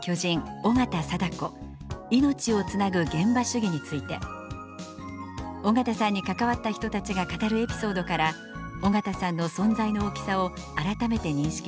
貞子命をつなぐ現場主義」について「緒方さんに関わった人たちが語るエピソードから緒方さんの存在の大きさを改めて認識した」